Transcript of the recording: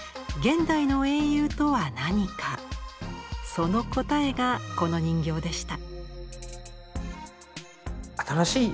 その答えがこの人形でした。